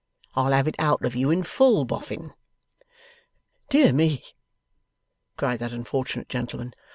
I'll have it out of you in full, Boffin.' 'Dear me!' cried that unfortunate gentleman.